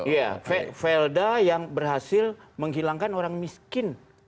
iya felda yang berhasil menghilangkan orang miskin